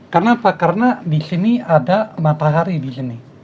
karena apa karena di sini ada matahari di sini